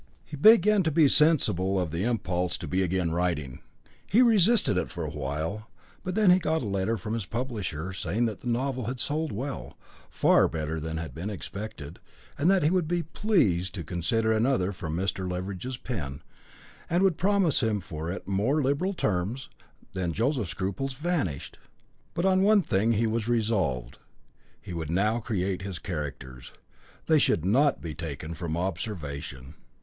He began to be sensible of the impulse to be again writing. He resisted it for a while, but when he got a letter from his publisher, saying that the novel had sold well, far better than had been expected, and that he would be pleased to consider another from Mr. Leveridge's pen, and could promise him for it more liberal terms, then Joseph's scruples vanished. But on one thing he was resolved. He would now create his characters. They should not be taken from observation.